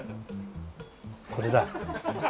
これだ。